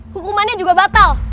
hukumannya juga batal